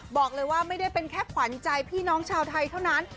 บอกเลยว่าไม่ได้เป็นแค่ขวัญใจพี่น้องชาวไทยเท่านั้น